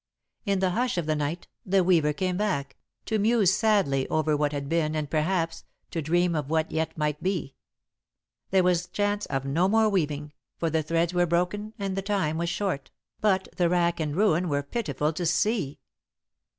In the hush of the night, the Weaver came back, to muse sadly over what had been and, perhaps, to dream of what yet might be. There was chance of no more weaving, for the threads were broken and the time was short, but the rack and ruin were pitiful to see.